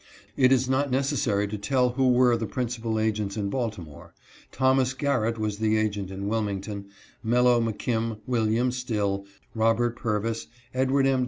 It is not necessary to tell who were the principal agents in Baltimore ; Thomas Garrett was the agent in Wilmington ; Melloe McKim, William Still, Robert Pur vis, Edward M.